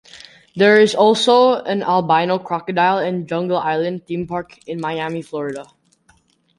There is also an albino crocodile in Jungle Island theme park in Miami, Fl.